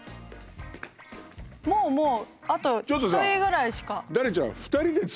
もうもうあと一人ぐらいしか。